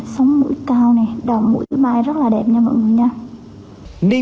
sống mũi cao nè đào mũi mái rất là đẹp nha mọi người nha